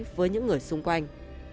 với những người xung quanh